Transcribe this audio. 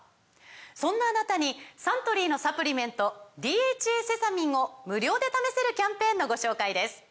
そんなあなたにサントリーのサプリメント「ＤＨＡセサミン」を無料で試せるキャンペーンのご紹介です